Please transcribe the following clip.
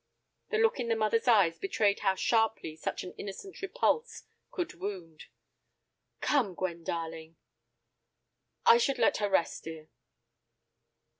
The look in the mother's eyes betrayed how sharply such an innocent repulse could wound. "Come, Gwen, darling." "I should let her rest, dear."